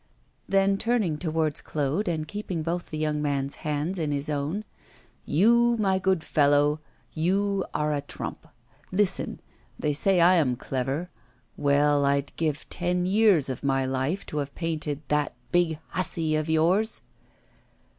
Then turning towards Claude, and keeping both the young man's hands in his own, 'You, my good fellow, you are a trump. Listen! they say I am clever: well, I'd give ten years of my life to have painted that big hussy of yours.